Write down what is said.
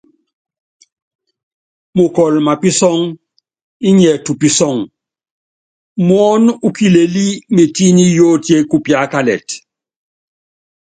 Mukɔl mapísɔ́ŋ íniɛ tupisɔŋ, muɔ́n u kilelí metinyí yóotie kupíákalet.